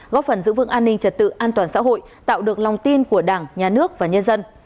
góp phần giữ vững an ninh trật tự an toàn xã hội tạo được lòng tin của đảng nhà nước và nhân dân